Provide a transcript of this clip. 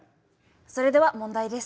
それでは問題です。